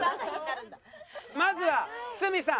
まずは鷲見さん。